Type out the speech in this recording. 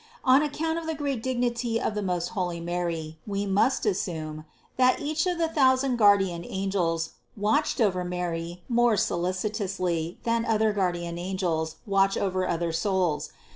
On account of the great dignity of the most holy Mary we must assume, that each of the thou sand guardian angels watched over Mary more solici tously than other guardian angels watch over other souls.